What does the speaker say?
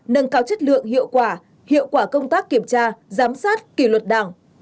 nâng cao chất lượng hiệu quả hiệu quả công tác kiểm tra giám sát kỷ luật đảng